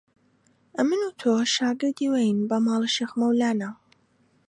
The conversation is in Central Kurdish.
ئەمن و تۆ شاگردی وین بە ماڵە شێخ مەولانە